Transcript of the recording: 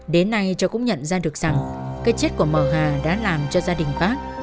đến nay cháu cũng nhận ra được rằng cái chết của mò hà đã làm cho gia đình phát